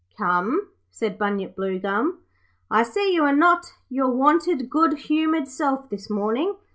'Come,' said Bunyip Bluegum, 'I see you are not your wonted, good humoured self this morning.